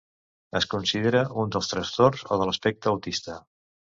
Es considera un dels trastorns o de l'espectre autista.